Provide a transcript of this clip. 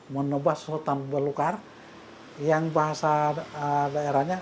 menebas hutan belukar yang bahasa daerahnya